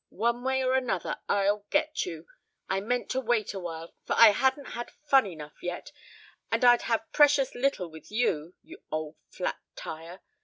One way or another I'll get you. I meant to wait awhile; for I hadn't had fun enough yet, and I'd have precious little with you, you old flat tyre.